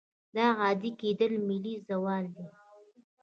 دا عادي کېدل ملي زوال دی.